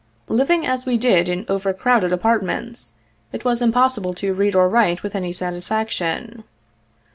Living as we did in overcrowded apartments, it was impossible to read or write with any satisfaction.